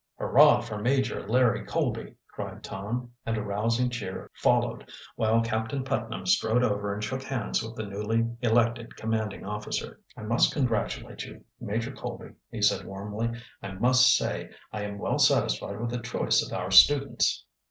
"Hurrah for Major Larry Colby!" cried Tom, and a rousing cheer followed, while Captain Putnam strode over and shook hands with the newly elected commanding officer. "I must congratulate you, Major Colby," he said warmly. "I must say I am well satisfied with the choice of our students."